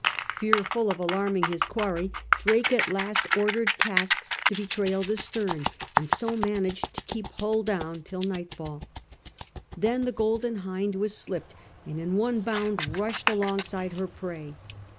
Fearful of alarming his quarry, Drake at once ordered casks to be trailed astern, and so managed to keep hull down till nightfall. Then the Golden Hind was slipped, and in one bound rushed alongside her prey.